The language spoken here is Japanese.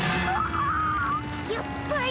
やっぱり。